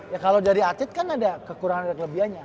ya kalau jadi atlet kan ada kekurangan dan kelebihannya